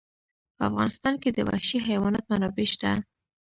په افغانستان کې د وحشي حیوانات منابع شته.